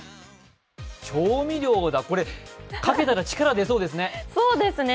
調味料だ、これかけたら力出そうですね。